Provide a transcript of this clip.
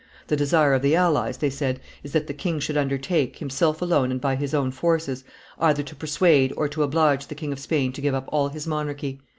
"The desire of the allies," they said, "is, that the king should undertake, himself alone and by his own forces, either to persuade or to oblige the King of Spain to give up all his monarchy.